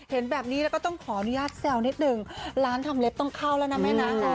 เห็นแบบนี้แล้วก็ต้องขออนุญาตแซวนิดนึงร้านทำเล็บต้องเข้าแล้วนะแม่นะ